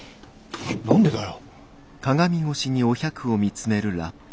何でだよ。